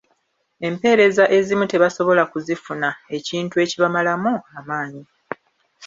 Empeereza ezimu tebasobola kuzifuna, ekintu ekibamalamu amaanyi.